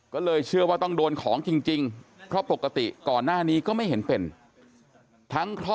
ก็เลยเชื่อว่าต้องโดนของจริง